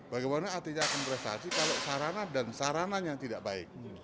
bagaimana artinya akan prestasi kalau sarana dan sarananya tidak baik